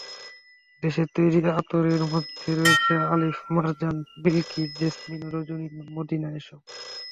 দেশের তৈরি আতরের মধ্যে রয়েছে আলিফ, মারজান, বিলকিস, জেসমিন, রজনী, মদিনা—এসব।